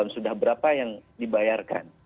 sudah berapa yang dibayarkan